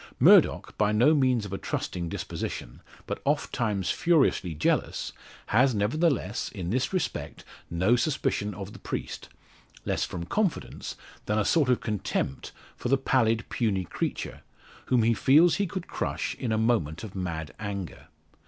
Murdock, by no means of a trusting disposition, but ofttimes furiously jealous has nevertheless, in this respect, no suspicion of the priest, less from confidence than a sort of contempt for the pallid puny creature, whom he feels he could crush in a moment of mad anger.